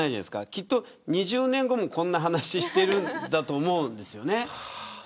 きっと２０年後もこんな話しているんだろうと思うんですよね。